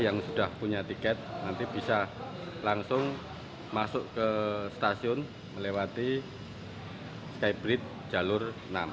yang sudah punya tiket nanti bisa langsung masuk ke stasiun melewati skybrid jalur enam